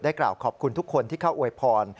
กล่าวขอบคุณทุกคนที่เข้าอวยพร